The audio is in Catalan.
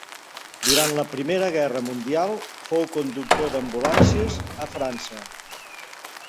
Durant la Primera Guerra Mundial fou conductor d'ambulàncies a França.